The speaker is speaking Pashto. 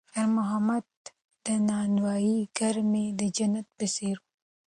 خیر محمد ته د نانوایۍ ګرمي د جنت په څېر وه.